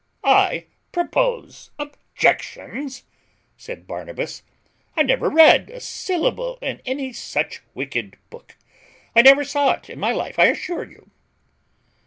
"I propose objections!" said Barnabas, "I never read a syllable in any such wicked book; I never saw it in my life, I assure you."